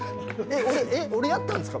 俺やったんですか？